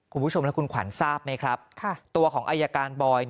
คุณผู้ชมและคุณขวัญทราบไหมครับตัวของอายการบอย